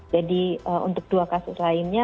jadi untuk dua kasus lainnya